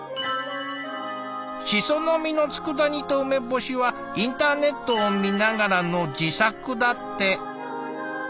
紫蘇の実のつくだ煮と梅干しはインターネットを見ながらの自作だって。